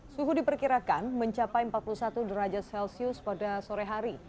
suhu diperkirakan mencapai empat puluh satu derajat celcius pada sore hari